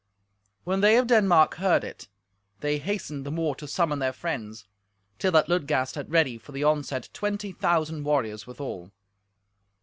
When they of Denmark heard it, they hastened the more to summon their friends, till that Ludgast had ready for the onset twenty thousand warriors withal.